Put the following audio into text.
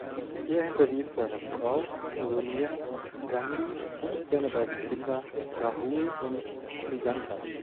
Er hinterließ seine Frau Sonia Gandhi und seine beiden Kinder Rahul und Priyanka.